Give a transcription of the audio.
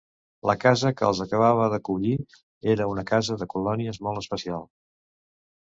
La casa que els acabava d'acollir era una casa de colònies molt especial.